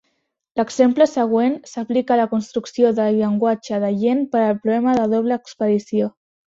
L"exemple següent s"aplica a la construcció de llenguatge d"agent per al problema de doble expedició.